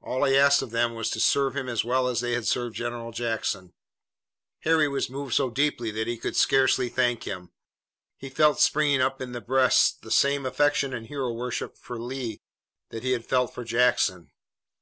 All he asked of them was to serve him as well as they had served General Jackson. Harry was moved so deeply that he could scarcely thank him. He felt springing up in his breast the same affection and hero worship for Lee that he had felt for Jackson.